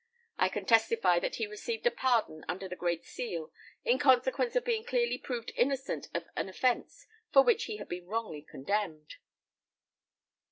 I can testify that he received a pardon under the great seal, in consequence of being clearly proved innocent of an offence for which he had been wrongly condemned."